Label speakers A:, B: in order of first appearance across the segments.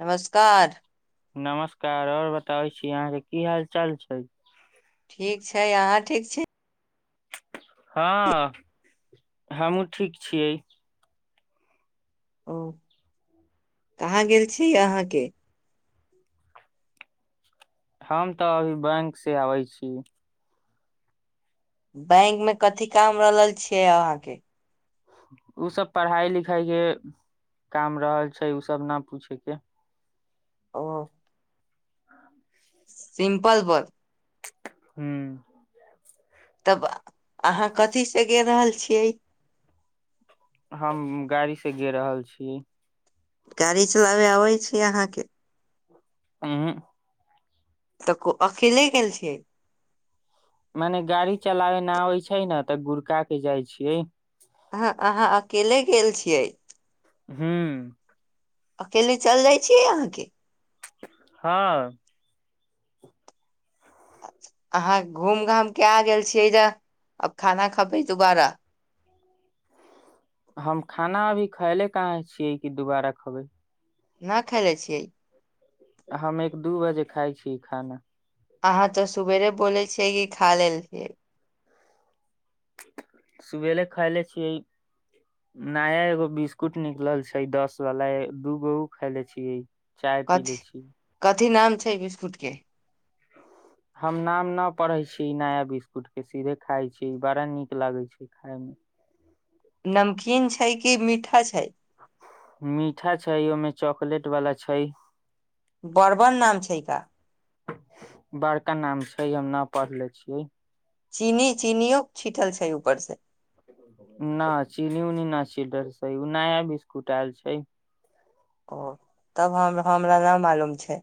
A: नमस्कार
B: नमस्कार और बताबै छी अहाँकेँ की हाल चाल छै
A: ठीक छै अहाँ ठीक छी
B: हँ [inaudible] हमहुँ ठीक छियै
A: ओ [inaudible] कहाँ गेल छी अहाँकेँ
B: हम तऽ अभी बैंक से आबै छी
A: बैंक में कथी काम रहल छै अहाँके
B: उ सब पढ़ाई लिखाई के काम रहल छै उ सब नऽ पूछे के
A: ओ
B: [inaudible]
A: सिम्पल पर
B: हू
A: तब अहाँ कथी से गेल रहल छियै
B: हम गाड़ी से गे रहल छिये
A: गाड़ी चलाबे आबै छै अहाँके
B: उहूँ
A: तऽ को अकेले गेल छियै
B: माने गाड़ी चलाबे नऽ आबै छै ने तऽ गुड़का के जाइ छियै
A: अहाँ अकेले गेल छियै
B: हूँ
A: अकेले चल जाइ छीयै अहाँके
B: हँ
A: अहाँ घूम घाम कऽ आ गेल छियै यऽ आब खाना खबै दुबारा
B: हम खाना अभी खायले कहाँ छियै कि दुबारा खबै
A: ना खइलै छिये
B: हम एक दू बजे खाय छी खाना
A: अहाँ तऽ सुबेरे बोलै छियै कि खा लेल छियै
B: सुबेरे खायले छियै नया एगो बिस्कुट निकलल छै दस वाला दूगो उ खईले छीयै चाय पी
A: कथी
B: ले छी
A: कथी नाम छै बिस्कुटके
B: [unintelligible] हम नाम नऽ पढ़े छी नया बिस्कुट के सीधे खाय छी ई बड़ा नीक लगे छै खाय मे
A: नमकीन छै कि मीठा छै
B: मीठा छै ओहिमे चॉकलेट वाला छै
A: बर्बन नाम छै का
B: बड़का नाम छै हम नऽ पढ़ले छिये
A: चीनी चीनीओ छिठल छै ऊपर से
B: न चीनी उऊनी नऽ छिटल छै उ नया बिस्कुट आयल छै
A: ओ तब हम हमरा नइ मालूम छैय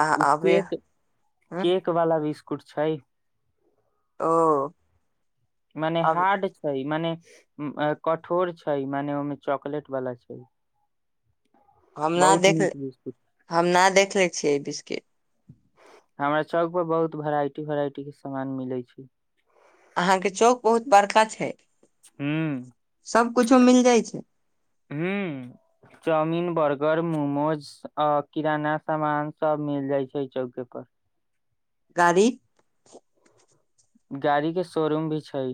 A: आ
B: उ
A: अभी
B: केक
A: हम्म,
B: केक वाला बिस्कुट छै
A: ओ
B: मने
A: अब
B: हार्ड छै मने कठोर छै मने ओहिमे चॉकलेट वाला छै
A: हम ना
B: बहुत
A: देख
B: नीक बिस्कुट
A: हम ना देखलै छियै ई बिस्किट
B: हमरा चौक पर बहुत वेराइटी वेराइटी कऽ सामान मिलै छै
A: अहांके चौक बहुत बड़का छैय
B: हूँ,
A: मिल जाइ छै
B: हूँ चाउमिन बर्गर मोमोज अ किराना सामान सब मिल जाइ छै चौके पर
A: गाड़ी
B: गाड़ी कऽ शोरूम भी छै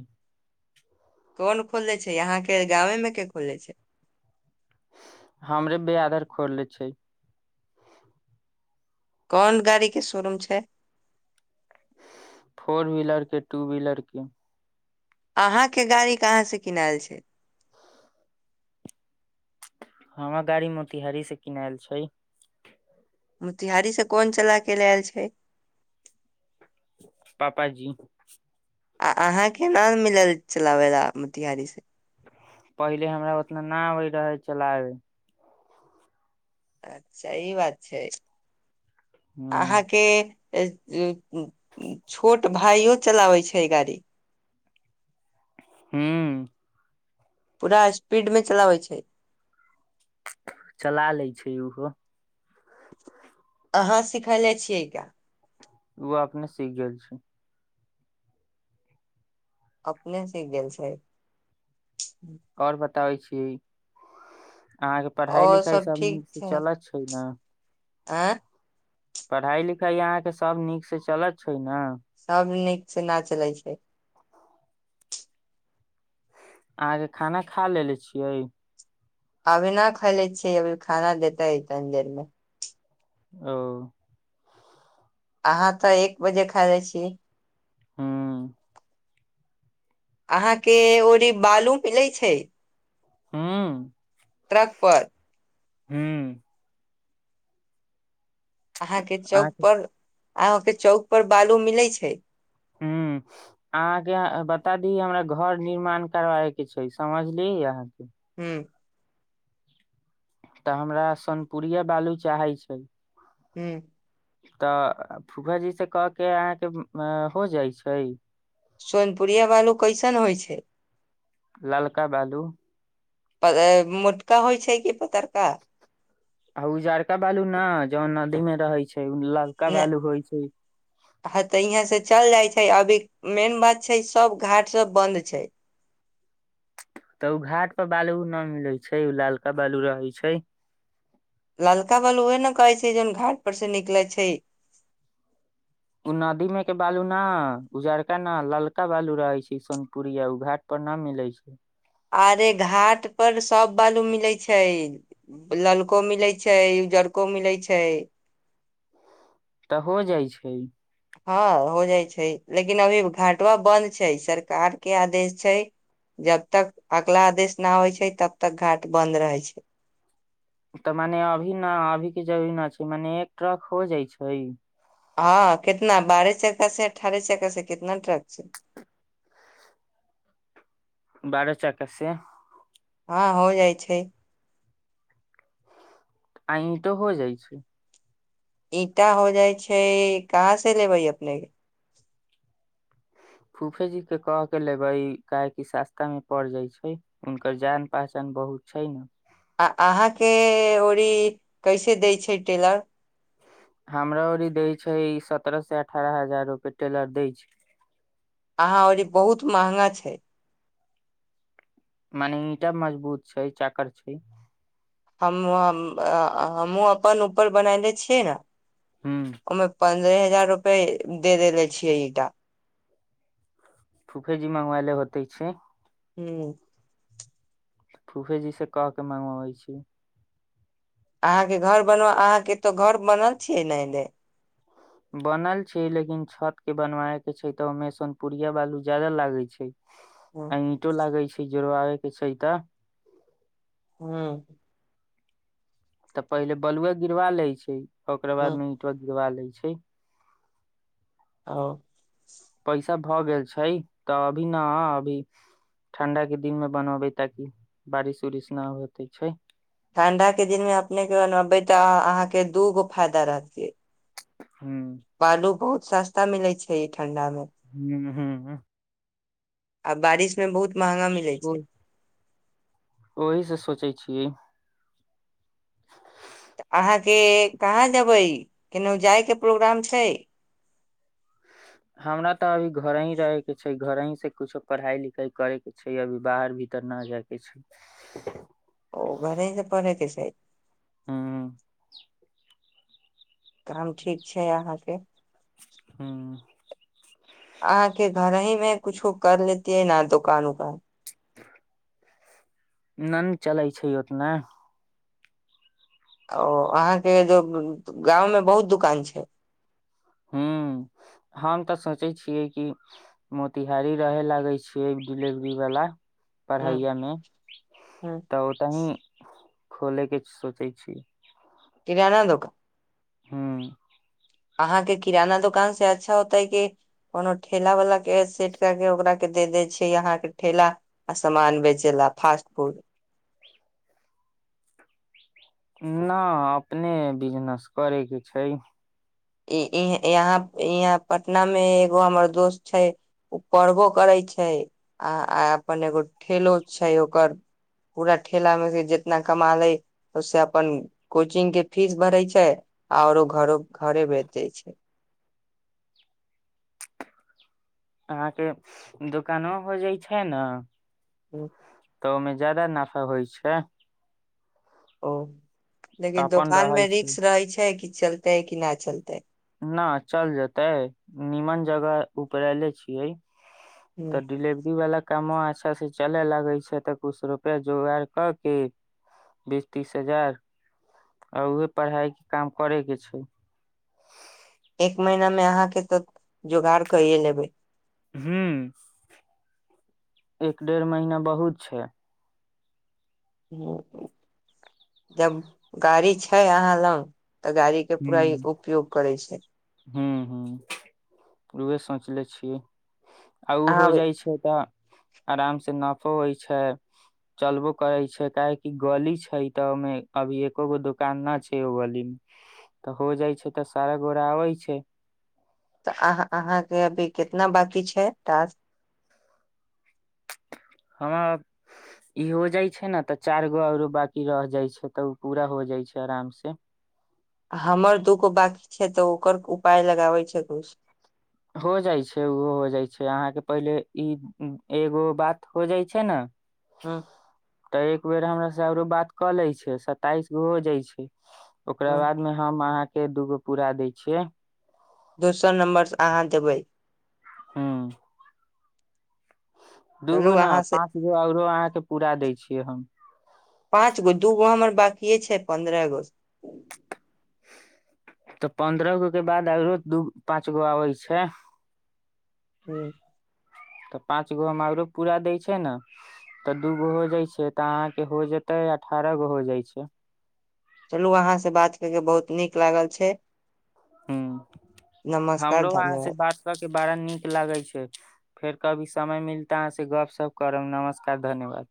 A: कोन खोलले छै अहाँकेँ गाँव मे केँ खोले छै
B: हमरे बेरादर खोलले छै
A: कोन गाड़ी केँ शोरूम छै
B: फोर व्हीलर केँ टू व्हीलर केँ
A: अहाँ केँ गाड़ी कहाँ से किनैल छै
B: हमरा गाड़ी मोतिहारी से किनैल छै
A: मोतिहारी से कोन चला केँ लैल छै
B: पापा जी
A: आ अहाँकेँ ना मिलल चलाबे ला मोतिहारी से
B: पहिले हमरा उतना ना आबे रहे चलाबे
A: अच्छा ई बात छै [inaudible]
B: ह
A: अहाँकेँ [inaudible] छोट भाययो चलाबे छै गाड़ी
B: हू
A: पूरा स्पीड में चलाबै छै
B: चला लै छै उहो
A: अहाँ सिखले छियै का
B: उऽ अपने सीख गेल छै
A: अपने सीख गेल छै [inaudible]
B: और बताबै छियै [inaudible] अहाँ केँ पढ़ाई
A: और
B: लिखाई सब
A: ठीक
B: नीक से
A: छै
B: चलै छै न
A: [unintelligible]
B: पढ़ाई लिखाई अहाँकेँ सब नीक से चलै छै न
A: सब नीक स नै चलै छै
B: अहाँकेँ खाना खा लेलेे छियै
A: अभी न खायले छियै अभी खाना देतै तनी देर मे
B: ओ
A: अहाँ तऽ एक बजे खा लै छिय
B: हुँ
A: अहाँकेँ ओरीे बालू मीलै छै
B: हू
A: ट्रक पर
B: हूँ
A: अहाँकेँ चौक
B: अहाँके
A: पर अहाँकेँ चौक पर बालू मिले छै
B: हूँ अहाँकेँ बता दी हमरा घर निर्माण करवै केँ छै समझलिय अहाँकेँ
A: हूँ
B: तऽ हमरा सोनपुरिया बालू चाहै छै
A: हूँ
B: तऽ फूफा जी से कह केँ अहाँकेँ हो जाइ छै
A: सोनपुरिया बालू कैसन होइ छै
B: ललका बालू
A: मोटका होइ छै कि पतरका
B: [inaudible] आ उजड़का बालू ना जौ नदी मे रहै छै ललका बालू होइ छै
A: हेतै सऽ चल जाइ छै अभी मेन बात छै सब घाट सब बंन्द छै
B: तऽ ओ घाट पर बालू न मिले छै उऽ लालका बालू रहै छै
A: ललका बालू उहे न कहै छै जौन घाट पर से निकलै छै
B: ओ नदी मे के बालू न, उजरका ना, ललका बालू रहे छै सोनपुरया उ घाट पर ना मिलै छै
A: आरे घाट पर सब बालू मिलै छै ललको मिलैत छै उज्जरको मिलै छै
B: तऽ हो जाइ छै
A: हँ हो जाइ छै लेकिन अभी घाटवा बंन्द छै सरकार कऽ आदेश छै जब तक अगला आदेश नऽ आबे छै तब तक घाट बन्द रहै छै
B: तऽ मने अभी न अभी के जरूरी न छै मने एक ट्रक हो जाइ छै
A: हँ कितना बारह चक्का से अठारह चक्का से कितना ट्रक छै
B: बारह चक्का से
A: हँ हो जाइ छै
B: आ ईटो हो जाइ छैय
A: ईंटा हो जाइ छै कहाँ से लेबै अपने
B: फूफे जी कऽ कह कऽ लेबै कियाकि सस्ता में पड़ जाय छै हुनकर जान पहचान बहुत छै नऽ
A: आ अहाँके ओरी कैसे दै छै टेलर
B: हमरा ओरी दै छै सत्ररह से अठारह हजार रूपे टेलर दै छै
A: आहाँ औरी बहुत महंगा छैय
B: माने ईटा मजबूत छै चाकर छै
A: हम हमहुँ अपन ऊपर बनले छियै नऽ
B: हूँ
A: ओहिमे पन्द्रह हजार रुपये दे देेने छियै ईटा
B: फूफे जी मंगवाइले होते छै
A: हूँ
B: फूफेजी सऽ कह के मंगगवाबै छी
A: अहाँ के घर बन अहाँ के तो घर बनल छीयै नऽ अनेइ
B: बनल छै लेकिन छत के बनवाय के छै तऽ ओमे सोन पुुरिया बालू ज्यादा लागे छै
A: हूँ
B: आ ईंटो लागे छै जोड़वाबे कऽ छै तऽ
A: हू
B: तऽ पहिले बलुए गिरवा लै छै ओकरा बाद मे ईंटो गिरवा लै छै
A: ओ
B: पैसा भऽ गेल छै तऽ अभी नऽ अभी ठंडा के दिन में बनाबय ताकि बारिश उरिश नऽ होते छै
A: ठंडा के दिन में अपने के बनबे तऽ अहाँ कऽ दूगो फायदा रहतियै
B: हूँ
A: बालू बहुत सस्ता मिलै छै ई ठंडा मऽ
B: हूँ हूँ
A: आ बारिश मे बहुत महँगा मिलै छैय
B: ओहि से सोचै छियै
A: तऽ अहाँके कहाँ जेबै केनहु जायके प्रोग्राम छै
B: हमरा तऽ अभी घरही रहे कऽ छै घर ही से कुछो पढ़ाई लिखाई करे के छै अभी बाहर भीतर नऽ जायके छै
A: ओ घरहि से पढै के छै
B: ह
A: काम ठीक छै अहाँके
B: हूँ
A: अहाँके घर ही में कुछो कर लेतीयै नऽ दोकान उकान
B: नहि चलै छै ओतना
A: ओ अहाँ के जो गाँंव में बहुत दुकान छै
B: हूँ, हम तऽ सोचै छियै कि मोतिहारी रहे लागे छियै डिलेवरी वाला
A: हूँ
B: पढ़ैया मे
A: हूँ
B: तऽ ओतही खोले कऽ सोचै छिये
A: किराना दोकान
B: हूँ
A: अहाँके किराना दुोकान सऽ अच्छा होतय कि कोनो ठेला वालला कऽ सेट कऽ के ओकरा के दे देै छै अहाँ के ठेला अ सामान बेचै ला फासस्ट फूड
B: नऽ अपने बिजनेस करय कऽ छैय
A: इ यहाँ यहाँ पटना मऽ एगो हमर दोस्त छै ओ पढ़बो करै छै आ अपन एगो ठेलो छैय ओकर पूरा ठेला मे से जितना कमा ले ओे अपन कोचिंग के फीस भरे छै आऔरो घरो घरे भेज दै छै
B: अहाँके दुोकानो हो जाइ छै नऽ
A: हू
B: तऽ ओहिमे ज्यादा नफा होइ छै
A: ओ लेकिन
B: अपन
A: दोकान मऽ
B: रहै छै
A: रिस्क रहै छै कि चलते कि नहि चलतै
B: नऽ चल जेते नीमन जगह उपरेले छियै
A: ह
B: तऽ डिलेवरी वाला कामो अच्छा सऽ चले लागै छै तऽ कुछ रुपआ जोगाार कऽ के बीस तीस हजार आ उहे पढ़ाई के काम करे के छै
A: एक महिीना में अहाँ के तऽ जोगाड़ कैेये लेबे
B: हू एक डेढ़ महिना बहुत छैय
A: जब गाड़ी छै अहाँ लग तऽ गाड़ी के पूरा उपयोग करै छै
B: हू हू उहै सोचले छियै आ ओ
A: अहाँ
B: हो जाइ छै तऽ आराम से नफो होइ छै चलबो करै छै काहेकि गली छै तऽ ओहिमे अभी एकोगो दुकान नऽ छै ओ गली मे तऽ हो जाइ छै तऽ सारा गोड़ आबै छैय
A: तऽ अहाँ अहाँके अभी कितना बाकी छै टास्क
B: हमर ई हो जाय छै ने ते चार गो आऔरो बाकी रह जाय छै तऽ उ पूरा हो जाय छै आराम से
A: हमर दूगो बकी छै तऽ ओकर उपाय लगाबै छै किछ
B: हो जाइ छै ओहो हो जाइ छै अहाँके पहिले ई एगो बात हो जाइ छै नऽ
A: ह
B: तऽ एक बेर हमरा से आरो बात कऽ ले छै सताईस गो हो जाइ छै ओकरा
A: ह
B: बाद मे हम अहाँ कऽ दूगो पूरा दय छियै
A: दोसर नम्बरसँ अहाँ देबै
B: हू
A: चलू
B: दूगो ने
A: अहाँ से
B: पाँच गो आओरो अहाँके पूरा दै छियै हम
A: पाँच गो दूगो हमर बाकिे छै पंन्द्रह गो
B: तऽ पंद्रह गो के बाद आरो दू पांच गो आबे छै
A: हू
B: तऽ पाँच गो हम आरो पूरा दै छै ने तऽ दूगो हो जाइ छै तऽ अहाँ के हो जेते अठारह गो हो जाइ छै
A: चलू अहाँ से बात कर केँ बहुत नीक लागल छै
B: हू [inaudible]
A: नमस्कार
B: हमरो अहाँ
A: धन्यवाद
B: से बात कर केँ बारा नीक लागै छै फेर कभी समय मिलतै अहाँ से गपशप करब नमस्कार धन्यवाद